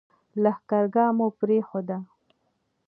لښکرګاه مو پرېښوده.